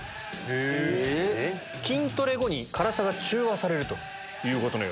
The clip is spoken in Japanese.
筋トレ後に辛さが中和されるということのようです。